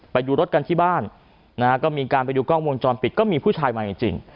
ไปดูรถกันที่บ้านนะฮะก็มีการไปดูกล้องวงจรปิดก็มีผู้ชายมาจริง